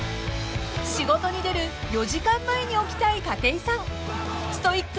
［仕事に出る４時間前に起きたい筧さん］